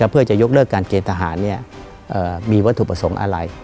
เพื่อจะยกเลิกการเกณฑ์ทหารมีวัตถุประสงค์อะไร